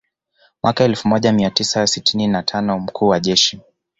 Mwaka elfu moja mia tisa sitini na tano mkuu wa jeshi